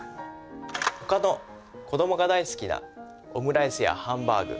他の子どもが大好きなオムライスやハンバーグ